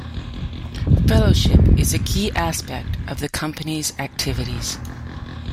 Fellowship is a key aspect of the Company's activities.